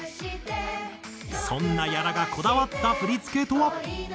そんな屋良がこだわった振付とは？